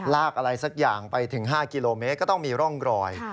ลากอะไรสักอย่างไปถึง๕กิโลเมตรก็ต้องมีร่องรอย